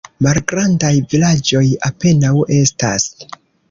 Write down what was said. Malgrandaj vilaĝoj apenaŭ estas.